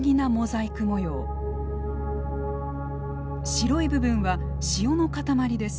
白い部分は塩の塊です。